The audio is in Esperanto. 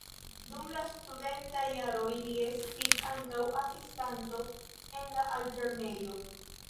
Dum la studentaj jaroj li estis ankaŭ asistanto en la altlernejo.